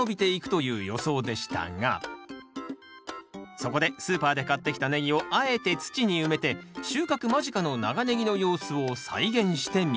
そこでスーパーで買ってきたネギをあえて土に埋めて収穫間近の長ネギの様子を再現してみました